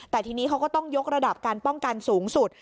แต่ทีนี้เขาก็ต้องยกระดับการป้องกันสูงสุด